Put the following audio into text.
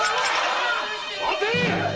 待て！